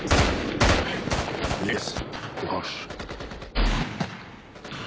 よし。